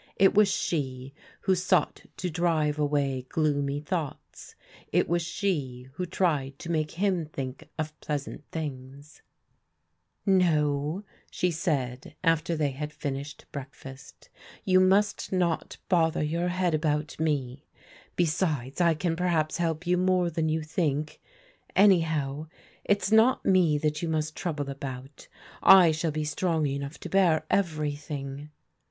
It was she who sought to drive away gloomy thoughts; it was she who tried to make him think of pleasant things. THE GIBLS TAKE FBENGH LEAVE 125 No/' she said after they had finished breakfast, you must not bother your head about me. Besides, I can perhaps help you more than you think. Anyhow, it's not me that you must trouble about. I shall be strong enough to bear everything."